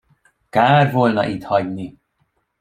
Kár volna itt hagyni!